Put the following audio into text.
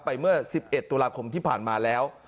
เมื่อ๑๑ตุลาคมที่ผ่านมาแล้ว